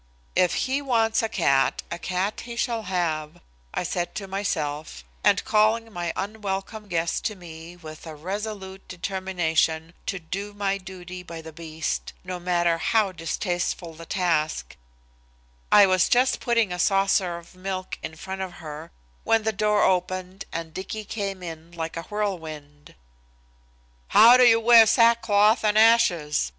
"If he wants a cat, a cat he shall have," I said to myself, and calling my unwelcome guest to me with a resolute determination to do my duty by the beast, no matter how distasteful the task, I was just putting a saucer of milk in front of her when the door opened and Dicky came in like a whirlwind. "How do you wear sackcloth and ashes?"